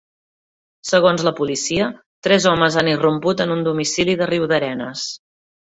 Segons la policia, tres homes han irromput en un domicili de Riudarenes.